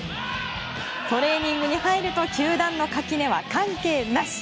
トレーニングに入ると球団の垣根は関係なし。